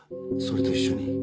それと一緒に。